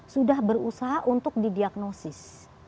sudah berusaha untuk di diagnosis